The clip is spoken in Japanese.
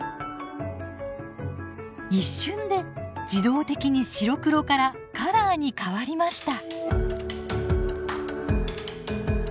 一瞬で自動的に白黒からカラーに変わりました。